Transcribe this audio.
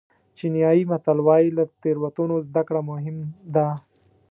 چینایي متل وایي له تېروتنو زده کړه مهم ده.